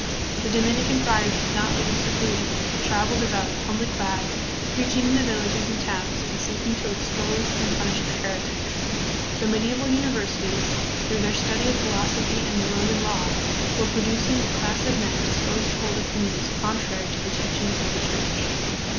The Dominican friars did not live in seclusion, but traveled about, humbly clad, preaching in the villages and towns, and seeking to ex pose and punish the heretic. The mediaeval universities, through their study of philosophy and the Roman law, SPANISH SOLDIER AND MISSIONARY. 121 were producing a class of men disposed to hold opinions contrary to the teachings of the Church.